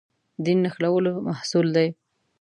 دین نښلولو محصول دی.